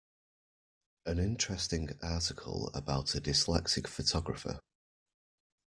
An interesting article about a dyslexic photographer.